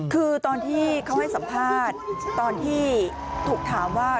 คือตอนที่เขาให้สัมภาษณ์ตอนที่ถูกถามว่า